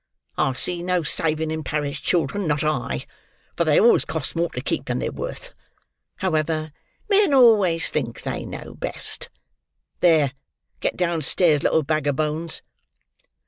I see no saving in parish children, not I; for they always cost more to keep, than they're worth. However, men always think they know best. There! Get downstairs, little bag o' bones."